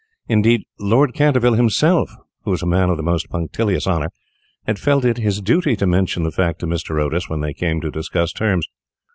Indeed, Lord Canterville himself, who was a man of the most punctilious honour, had felt it his duty to mention the fact to Mr. Otis when they came to discuss terms.